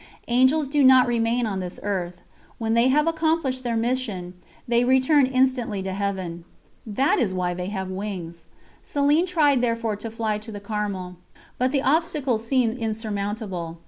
Angels do not remain on this earth; when they have accomplished their mission, they return instantly to Heaven. That is why they have wings. Céline tried therefore to fly to the Carmel; but the obstacles seemed insurmountable.